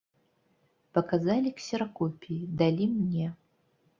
Паказалі ксеракопіі, далі мне.